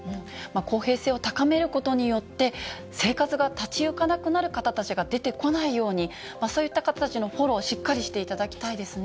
公平性を高めることによって、生活が立ち行かなくなる方たちが出てこないように、そういった方たちのフォローをしっかりしていただきたいですね。